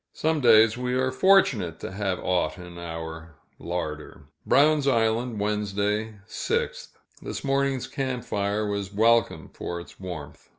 Some days, we are fortunate to have aught in our larder. Brown's Island, Wednesday, 6th. This morning's camp fire was welcome for its warmth.